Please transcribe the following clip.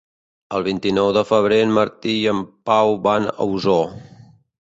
El vint-i-nou de febrer en Martí i en Pau van a Osor.